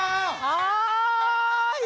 はい！